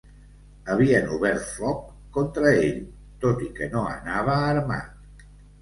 Havien obert foc contra ell, tot i que no anava armat